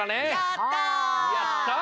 やった！